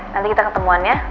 nanti kita ketemuannya